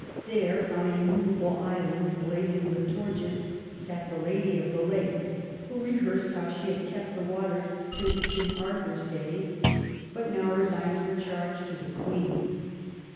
There, on a movable island blazing with torches, sat the Lady of the Lake, who rehearsed how she had kept the waters since King Arthur's days, but now resigned her charge to the Queen.